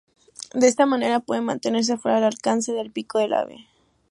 De esta manera puede mantenerse fuera del alcance del pico del ave.